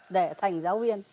để thành giáo viên